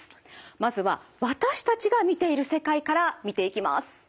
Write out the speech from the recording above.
まずは私たちが見ている世界から見ていきます。